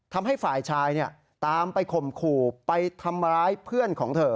ทำให้ฝ่ายชายตามไปข่มขู่ไปทำร้ายเพื่อนของเธอ